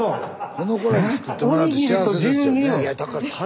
この子らに作ってもらうって幸せですよねえ。